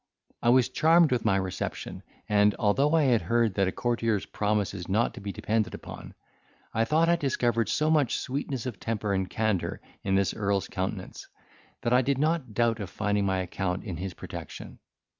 I was charmed with my reception, and, although I had heard that a courtier's promise is not to be depended upon, I thought I discovered so much sweetness of temper and candour in this earl's countenance, that I did not doubt of finding my account in his protection.